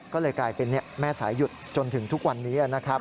ก็เลยกลายเป็นแม่สายหยุดจนถึงทุกวันนี้นะครับ